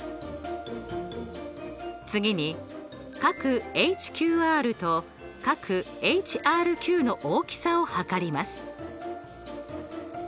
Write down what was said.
次に角ＨＱＲと角ＨＲＱの大きさを測ります。